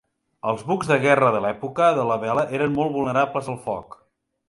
Els bucs de guerra de l'època de la vela eren molt vulnerables al foc.